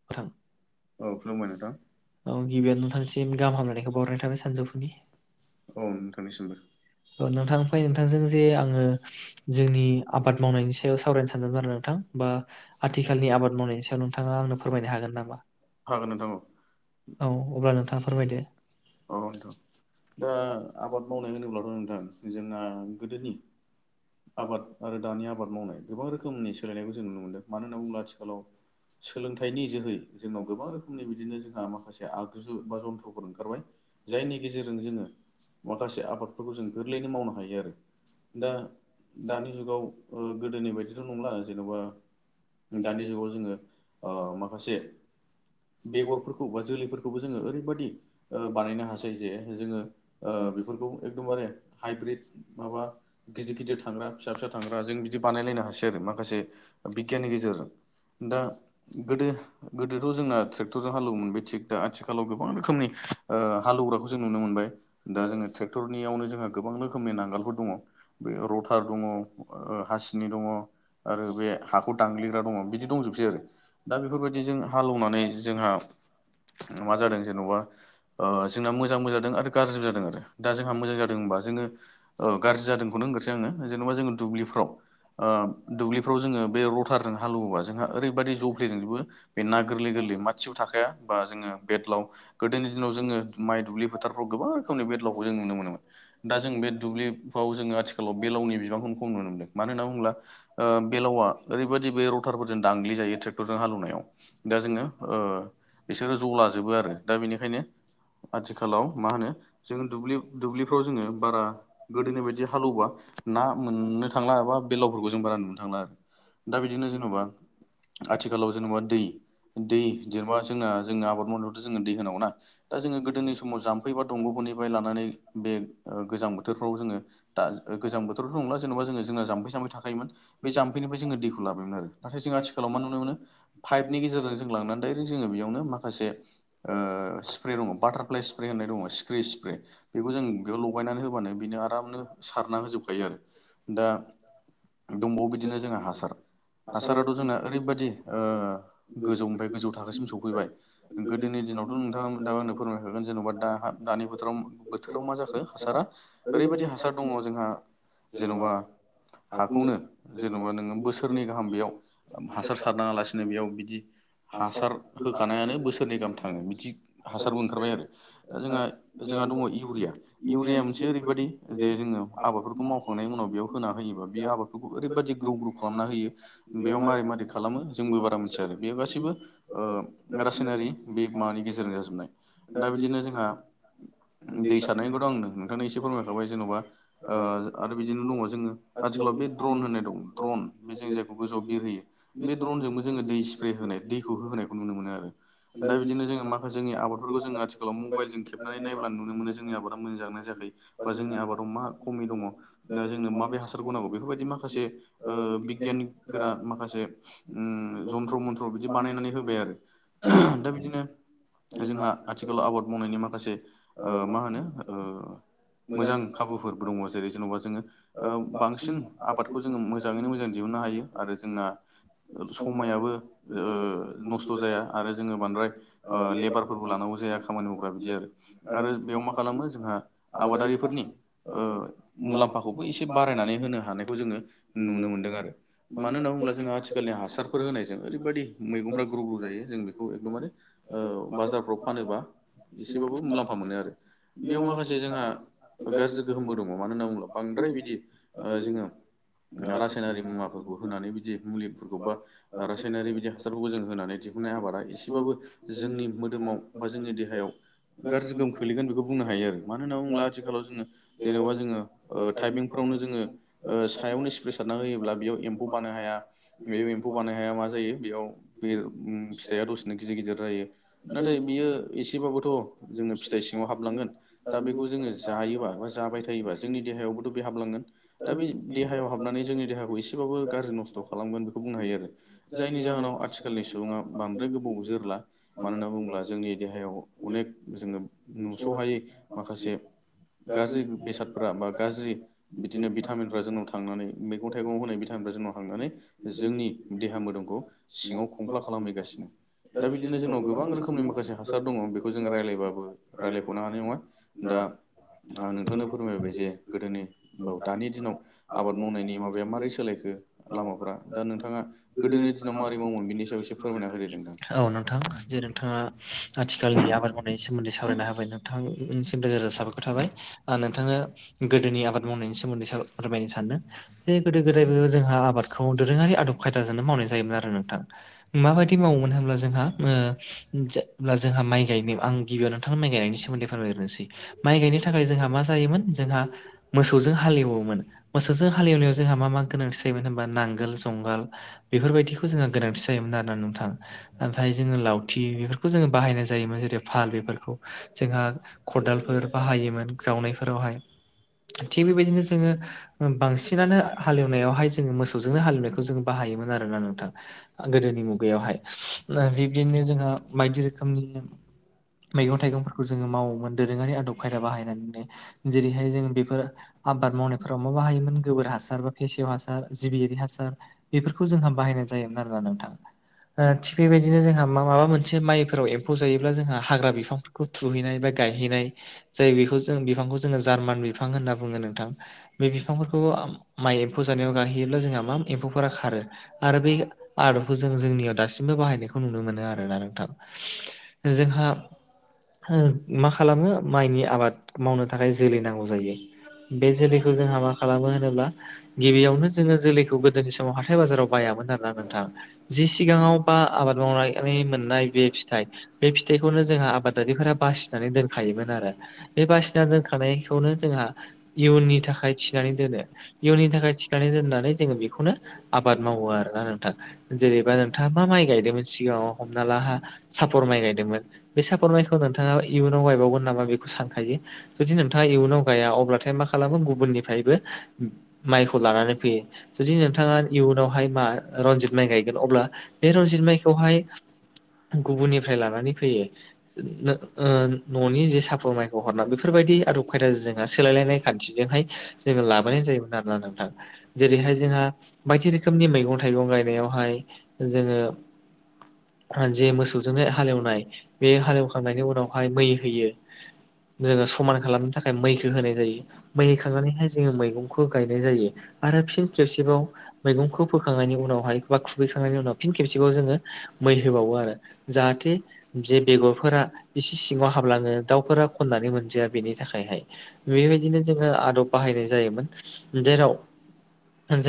[unintelligible] औ खुलुमबाय नोंथां औ गिबियावानो नोंथांसिम गाहाम हामलायनायखौ बावहरनाय थाबाय सानजौफुनि औ नोंथांनिसिमबो नोंथांनिफ्राय नोंथांजों जे आङो जोंनि आबाद मावनायनि सायाव सावरायनो सानदोंमोन आरो नोंथां बा आथिखालनि आबाद मावनायनि सायाव नोंथाङा आंनो फोरमायनो हागोन नामा हागोन नोंथां औ अब्ला नोंथाङा फोरमायदो औ नोंथां दा आबाद मावनाय होनोब्लाथ' नोंथां जोंना गोदोनि आबाद आरो दानि आबाद मावनाय गोबां रोखोमनि सोलायनायखौ जों नुनो मोन्दों मानो होनना बुङोब्ला आथिखालाव सोलोंथाइनि जोहै जोंनाव गोबां रोखोमनि बिदिनो जोंहा माखासे आगजु बा जन्थ्रफोर ओंखारबाय जायनि गेजेरजों जोङो माखासे आबादफोरखौ जों गोरलैयैनो मावनो हायो आरो दा दानि जुगाव गोदोनि बायदिथ' नंला जेन'बा दानि जुगाव जोङो आ माखासे बेगरफोरखौ बा जोलैफोरखौबो जोङो ओरैबायदि बानायनो हासै जे जोङो बेफोरखौ एकदमबारे हाइब्रिद माबा गिदिर गिदिर थांग्रा फिसा फिसा थांग्रा जों बिदि बानायलायनो हासै आरो माखासे बिगियाननि गेजेरजों दा गोदो गोदोथ' जोंना ट्रेक्टरजों हाले एवोमोन बे थिग दा आथिखालाव गोबां रोखोमनि ओ हाल एवग्राखौ जों नुनो मोनबाय दा जोङो ट्रेक्टरनियावनो जोंहा गोबां रोखोमनि नांगोलफोर दङ' बे रथार दङ' हासिनि दङ' आरो बे हाखौ दांग्लिग्रा दङ' बिदि दंजोबसै आरो दा बेफोरबायदिजों हालेवनानै जोंहा मा जादों जेन'बा ओ जोंना मोजांबो जादों आरो गाज्रिबो जादों जादों आरो दा जोंहा मोजां जादों होनबा जोङो गारजि जादोंखौनो होनग्रोसै आङो जेनेबा जोङो दुब्लिफ्राव दुब्लिफ्राव जोङो बे रटारजों हाल एवोबा जोंहा ओरैबायदि [unintelligible] [unintelligible] गोख्लैजोंजोबो बे ना गोरलै गोरलै मासिबो थाखाया बा जोङो बेदलाव गोदोनि दिनाव जोङो माइ दुब्लि फोथारफ्राव गोबां रोखोमनि बेदलावखौ जों नुनो मोनोमोन दा जों बे दुब्लिफ्राव जोङो आथिखालाव बेलावनि बिबांखौ खम नुनो मोनदों मानो होनना बुंब्ला ओ बेलावा ओरैबदि बे रटारफोरजों दांग्लि जायो ट्रेक् क्टरजों हालेवनायाव दा जोङो ओ बिसोरो ज' लाजोबो आरो दा बेनिखायनो आथिखालाव मा होनो जों दुब्लि दुब्लिफ्राव जोङो बारा गोदोनि बायदि हालेवबा ना मोननो थांला एबा बेलावफोरखौ जों बारा नुनो थांला आरो दा बिदिनो जेन'बा आथिखालाव जेनेबा दै दै जेनेबा जोंना जों आबाद मावनायावथ' जों दै होनांगौ ना दा जोङो गोदोनि समाव जाम्फै बा दंग'फोरनिफ्राय लानानै बे गोजां बोथोरफ्राव जोङो दा गोजां बोथोरथ' नंला जेन'बा जोंहा जाम्फै सामफै थाखायोमोन बे जाम्फैनि जोङो दैखौ लाबायमोन आरो नाथाय जों आथिखा आथिखालाव मा नुनो मोनो फाइभनि गेजेरजों जों लांनानै दायरेक्ट जोङो बेयावनो माखासे ओ स्प्रे दङ' बाटारफ्लाइ स्प्रे होननाय दङ' स्क्रिस फ्राय बेखौ जों बेयाव लगायनानै होबानो बिनो आरामनो सारना होजोबखायो आरो दा दंबावो बिदिनो जोंहा हासार हासाराथ' जोंना ओरैबायदि ओ गोजौनिफ्राय गोजौ थाखोसिम सौफैबाय गोदोनि दिनावथ' नोंथां दा आंनो फोरमायखागोन जेन'बा दा दानि बोथोर बोथोराव मा जाखो हासारा ओरैबायदि हासार दङ जोंहा जेन'बा हाखौनो जेनेबा नोङो बोसोरनै गाहाम बेयाव हासार सारनाङालासिनो बेयाव बिदि हासार होखानायानो बोसोरनै गाहाम थाङो बिदि हासारबो ओंखारबाय आरो दा जोंहा जोंहा दङ' इउरिया इउरिया मोनसे ओरैबायदि जे जोङो आबादफोरखौ मावखांनायनि उनाव बेयाव होना होयोबा बियो आबाद फोरखौ ओरैबायदि ग्रौ ग्रौ खालामना होयो बेयाव मारै मारै खालामो जोंबो बारा मोनथिया आरो बेयाव गासैबो ओ रासायनारि बे माबानि गेजेरजों जाजोबनाय दा बिदिनो जोंहा [inaudible] दै सारनायनिखौथ' आं नोंथांनो एसे फोरमायखाबाय जेनबा ओ आरो बिदिनो दङ जोङो आथिखालाव बे ड्रन होननाय दं ड्रन बे जों जायखौ गोजौआव बिरहोयो बे ड्रनजोंबो जोङो दै स्प्रे होनाय दैखौ होहोनोनायखौ नुनो मोनो आरो दा बिदिनो जोङो मा जोंनि आबादफोरखौ जोङो आथिखालाव मबाइलजों खेब नानै नायब्ला नुनो मोनो जोंनि आबादा मोजां जादोना जायाखै बा जोंनि आबादाव मा खमि दङ दा जोंनो माबे हासारखौ नांगौ बेफोरबायदि माखासे ओ बिगियनिफोरा माखा माखासे उम जन्थ्र मन्थ्र बिदि बानायनानै होबाय आरो दा बिदिनो जोंहा आथिखालाव आबाद मावनायनि माखासे ओ मा होनो ओ मोजां खाबुफोर दङ जेरै जेन'बा जोङो ओ बांसिन आबादखौ जोङो मोजाङैनो मोजां दिहुननो हायो आरो जोङा समायाबो ओ नस्थ' जाया आरो जोङो बांद्राय ओ लेबारफोरबो लानांगौ जाया। खामानि मावग्रा बिदि आरो आरो बेयाव मा खालामो जोंहा आबादारिफोरनि ओ मुलाम्फाखौबो एसे बारायनानै होनो हानायखौ जोङो नुनो मोनदों आरो मानो होनबा ओमब्ला जोंहा आथि [unintelligible] हासारफोर होनायजों ओरैबायदि मैगौफ्रा ग्रौ ग्रौ जायो जों बेखौ एकदमारे ओ बाजारफ्राव फानोबा जेरावबो मुलाम्फा मोनो आरो बेयाव माखासे जोंहा गा थ्गोहोमबो दङ मानो होनना बुङोब्ला बांद्राय बिदि ओ जोङो रासायनारि मुवाफोरखौ होनानै बिदि मुलिफोरखौ बा रासायनारि बिदि हासारफोरखौ जों होनानै दिहुननाय आबादा एसेबाबो जोंनि मोदोमाव बा जोंनि देहायाव गाज्रि गोहोम खोलैगोन बेखौ बुंनो हायो आरो मानो होनना बुङोब्ला आथिखालाव जोङो जेनेबा जोङो ओ टाइपिंफोरावनो जोङो ओ सायावनो सेप्रेसारना होयोब्ला बेयाव एम्फौ बानो हाया बे एम्फौ बानाय हाया मा जायो बेयाव बे फिथाइया दसेनो गिदिर गिदिर जायो। नाथाय बियो एसेबाबोथ' जोङो फिथाइ सिङाव हाबलांगोन दा बेखौ जोङो जायोबा बा जाबाय थायोब्ला‌ जोंनि देहायावबोथ' बे हाबलांगोन दा बे देहायाव हाबनानै जोंनि देहाखौ ए फोरावबो गाज्रि नस्थ' खालामगोन बेखौ बुंनो हायो आरो जायनि जाहोनाव आथिखालनि सुबुङा बांद्राय गोबाव जोरला मानो होनना बुङोब्ला जोंनि देहायाव अनेक जोङो नुस'हायै माखासे गाज्रि बेसादफ्रा बा गाज्रि बिदिनो भिटामिनफ्रा जोंनाव था नानै मैगं थाइगं होनाय बितामिनफोरा जोंनाव थांनानै जोंनि देहा मोदोमखौ सिङाव खमफ्ला खालाम हैगासिनो दा बिदिनो‌ जोंनाव गोबां रोखोमनि माखासे हासार दङ बेखौ जों रायलाय ब्लाबो रायलायख'नो हानाय नङा दा आं नोंथांनो फोरमायबाय जे गोदोनि बा दानि दिनाव आबाद मावनायनि माबाया मारै सोलायखो लामाफ्रा दा नोंथाङा गोदोनि दिनाव माबोरै मावोमोन बेनि सायाव एसे फोरमायना होदो नोंथां औ नोंथां जे नोंथाङा आथिखालनि आबाद मावनायनि सोमोन्दै सावरायना होबाय नोंथांसिम रोजा रोजा साबायखर थाबाय ओ नोंथाङा गोदोनि आबाद मावनायनि सोमोन्दै फोरमायनो सानो जे गोदो गोदायनो जोंहा आबादखौ दोरोङारि आदब खायदाजोंनो मावनाय जायोमोन आरो नोंथां माबायदि मावोमोन होनब्ला जोंहा ओ जेब्ला जोंहा माइ गायनो आं गिबियाव नोंथां माइ गायनायनि सोमोन्दै फोरमायग्रोनोसै माइ गायनो थाखाय जोंहा मा जायोमोन जोंहा मोसौजों हाल एवोमोन मोसौजों हाल एवनायाव जोंहा मा मा गोनां जायोमोन होनबा नांगोल जंगाल बेफोरबायदिखौ जोंहा गोनांथि जायोमोन आरोना नोंथां। ओमफ्राय जोङो लावथि बेफोरखौ जोङो बाहायनाय जायोमोन जेरै फाल बेफोरखौ जोंहा खदालफोर बाहायोमोन जावनायफोरावहाय थिग बेबायदिनो जोङो बांसिनानो हाल एवनायावहाय जोङो मोसौजोंनो हाल एनायखौ जों बाहायोमोन आरोना नोंथां। गोदोनि मुगायावहाय बिब्दिनो जोंहा बायदि रोखोमनि मैगं थाइगंफोरखौ जोङो मावोमोन दोरोङारि आदब खायदा बाहायनानैनो जेरैहाय जों बेफोर आबाद मावनायफोराव माबाहायोमोन गोबोर हासार बा फेसेव हासार हासार जिबियारि हासार बेफोरखौ जोंहा बाहायनाय जायोमोन आरोना नोंथाङा थिग बेबायदिनो जोंहा माबा मोनसे माइफोराव एम्फौ जायोब्ला जोंहा हाग्रा बिफां खौ थुहैनाय बा गायहैनाय जाय बेखौ जों बिफांखौ जोङो जार्मान बिफां होनना बुङो नोंथां बे बिफांफोरखौ माइ एम्फौ जानायाव गाहोयोब्ला जोंहा मा एम्फौफोरा खारो। आरो बे आदबखौ जों जोंनियाव दासिमबो बाहायनायखौ नुनो मोनो आरोना नोंथां जोंहा मा खालामो माइनि आबाद मावनो थाखाय जोलै नांगौ जायो। बे जोलैखौ जोंहा मा खालामो होनोब्ला गिबियावनो जोङो जोलैखौ गोदोनि समाव हाथाय बाजाराव बायामोन आरो ना नोंथां जि सिगाङाव बा आबाद मावनानै मोननाय बे फिथाइ बे फिथाइखौनो जोंहा आबादारिफोरा बासिनानै दोनखायोमोन आरो बे बासिना दोनखानायखौनो जोंहा इयुननि थाखाय थिनानै दोनो इयुननि थाखाय थाखाय थिनानै दोननानै जोङो बेखौनो आबाद मावो आरोना नोंथां जेनैबा नोंथाङा मा माइ गायदोंमोन सिगाङाव हमना लाहा सापर माइ गायदोंमोन। बे सापर मायखौ नोंथाङा इयुनाव गायबावगोन नामा बेखौ सानखायो जुदि नोंथाङा इयुनाव गाया अब्लाथाय मा खालामो गुबुननिफ्रायबो माइखौ लानानै फैयो। जुदि नोंथाङा इयुनावहाय मा रनजित माइ गायगोन अब्ला बे रनजित माइखौहाय गुबुननिफ्राय लानानै फैयो न'नि जे साप माय हरना बेफोरबायाददि आदब खायदाज जोंहा सोलायलायनाय खान्थिजोंहाय जोङो लाबोनाय जायोमोन आरो। जेरैहाय जोंहा बायदि रोखोमनि मैगं थाइगं गायनायावहाय जोङो जे मोसौजों हालेवनाय बे हालेवखांनायनि उनावहाय मै होयो जोङो समान खालामनो थाखाय मैखौ होनाय जायो मै होखांनानैहाय जोङो मैगंखौ गायनाय जायो आरो फिन खेबसेबाव मैगंखौ फोखांनायनि उनावहाय बा खुबैखांनायनि उनाव फिन खेबसेबाव जोङो मै होबावो आरो जाहाथे जे बेगरफोरा एसे सिङाव हाबलाङो दाउफोरा खननानै मोनजाया बेनि थाखायहाय बेबायदिनो जोङो आदब बाहायनाय जायोमोन जेराव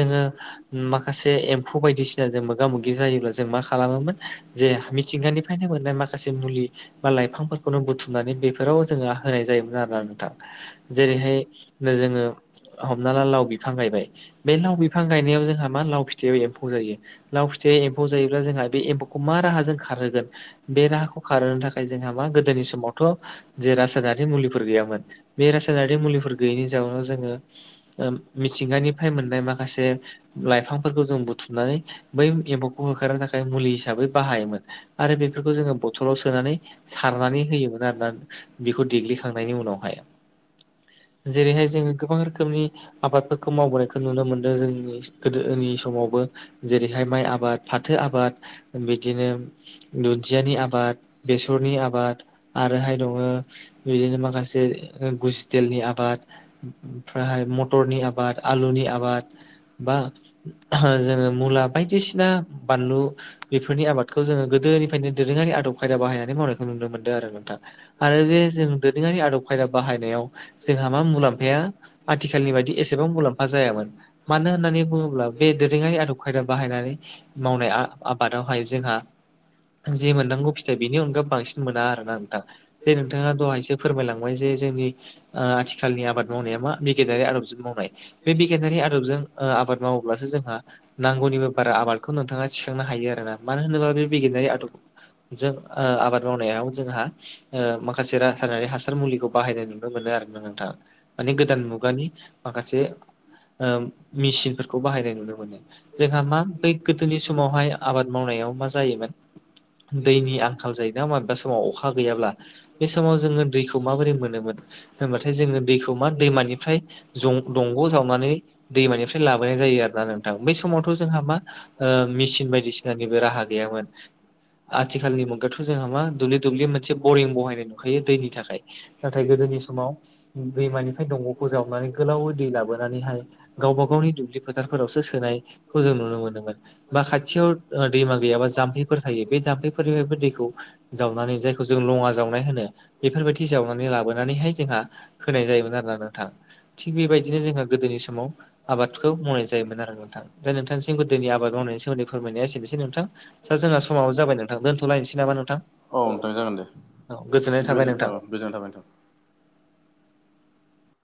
जोङो माखासे एम्फौ बायदिसिना जों मोगा मोगि जायोब्ला जों मा खालामोमोन जे मिथिंगानिफ्रायनो मोननाय माखासे मुलि बा लाइफांफोरखौनो बुथुमनानै बेफोराव जोङो होनाय जायोमोन आरोना नोंथां जेरैहाय जोङो हमना ला लाव बिफां गायबाय बे लाव बिफां गायनायाव जोंहा मा लाव फिथायाव एम्फौ जायो लाव फिथायाइ एम्फौ जायोब्ला जोंहा बे एम्फौखौ मा राहा जों खारहोगोन बे राहाखौ खारहोनो थाखाय जोंहा मा गोदोनि समावथ' जे रासायनारि मुलिफोर गैयामोन बे रासायनारि मुलिफोर गैयैनि जाउनाव जोङो मिथिंगानिफ्राय मोननाय माखासे लाइफांफोरखौ जों बुथुमनानै बै एम्बौखौ होखारनो थाखाय मुलि हिसाबै बाहायोमोन आरो बेफोरखौ जोङो बथलाव सोनानै सारनानै होयोमोन आरोना बेखौ देग्लिखांनायनि उनावहाय जेरैहाय जोङो गोबां रोखोम रोखोमनि आबादफोरखौ मावबोनायखौ नुनो मोनदों जोंनि गोदोनि समावबो जेरैहाय माइ आबाद फाथो आबाद बिदिनो दुदियानि आबाद बेसरनि आबाद आरोहाय दङो बिदिनो माखासे गुसिटेलनि आबाद ओमफ्रायहाय मटरनि आबाद आलुनि आबाद बा जोङो मुला बायदिसिना बानलु बेफोरनि आबादखौ जोङो गोदोनिफ्रायनो दोरोङारि आदब खायदा बाहायनानै मावनायखौ नुनो मोन्दों आरो नोंथां आरो बे जों दोरोङारि आदब खायदा बाहायनायाव जोंहा मा मुलाम्फाया आथिखालनि बादि एसेबां मुलाम्फा जायामोन मानो होननानै बुङोब्ला बे दोरोंआरि आदब खायदा बाहायनानै मावनाया आबादावहाय जोंहा जे मोननांगौ फिथाइ बेनि अनगा बांसिन मोना आरोना नोंथां जे नोंथांआ दहायसो फोरमायलांबाय जे जोंनि ओ आथिखालनि आबाद मावनाया मा बिगियानारि आदबजों मावनाय बे बिगियानारि आदबजों ओ आबाद मावोब्लासो जोंहा नांगौनिबो बारा आबादखौ नोंथांआ थिखांनो हायो आरोना मानो होनोबा बे बिगियारि आदबखौ जों ओ आबाद मावनायाव जोंहा ओ माखासे रासायनारि हासार मुलिखौ बाहायनाय नुनो मोनो आरो ना नोंथां माने गोदान मुगा मुगानि माखासे ओ मेसिनफोरखौ बाहायनाय नुनो मोनो जोंहा मा बै गोदोनि समावहाय आबाद मावनायाव मा जायोमोन दैनि आंखाल जायो ना दा समाव अखा गैयाब्ला बे समाव जोङो दैखौ माबोरै मोनोमोन होनबाथाय जोङो दैखौ मा दैमानि आमफ्राय जं दंग' जावनानै दैमानिफ्राय लाबोनाय जायो आरो ना नोंथां बै समावथ' जोंहा मा ओ मेचिन बायदिसिनानिबो राहा गैयामोन आथिखालनि मुगायावथ' जोंहा मा दुब्लि दुब्लि मोनसे बरिं बहायनाय नुखायो दैनि थाखाय नाथाय गोदोनि समाव दैमानिफ्राय दंग'खौ जावनानै गोलावै दै लाबोनानैहाय गावबा गावनि दुब्लि फोथारफोरावसो सोनायखौ जों नुनो मोनदोंमोन बा खाथिआव ओ दैमा गैयाबा जाम्फैफोर थायो बे जाम्फैफोरनिफ्रायबो दैखौ जावनानै जायखौ जों लंआ जावनाय होनो बेफोरबादि जावनानै लाबोनानैहाय जोंहा होनाय जायोमोन आरोना नोंथां थिग बेबादिनो जोंहा गोदोनि समाव आबादखौ मावनाय जायोमोन आरो नोंथां दा नोंथांनिसिम गोदोनि आबाद मावनायनि सोमोन्दै फोरमायनाया एसेनोसै नोंथां दख जोंहा समाबो जाबाय नोंथां दोन्थ'लायनोसै नामा नोंथां औ नोंथां औ गोजोननाय थाबाय नोंथां गोजोनाय थाबाय‌‌ नोंथां